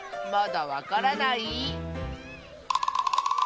まだわからない？